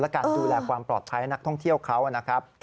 และการดูแลความปลอดภัยให้นักท่องเที่ยวเขานะครับ